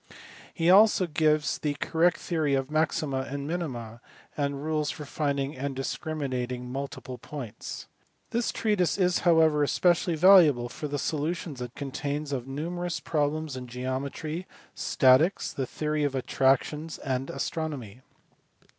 J a He also gave the correct theory of maxima and minima, and rules for finding and discriminating multiple points. This treatise is however especially valuable for the solu tions it contains of numerous problems in geometry, statics, the theory of attractions, and astronomy.